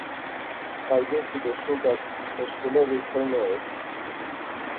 قاعدے تھی دسویں تک او سکولے وچ پڑھںے ہوئے